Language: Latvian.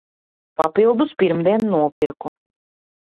Papildus pirmdien nopirku.